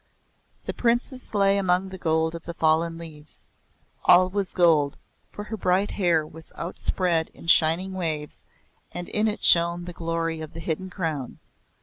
The Princess lay among the gold of the fallen leaves. All was gold, for her bright hair was out spread in shining waves and in it shone the glory of the hidden crown.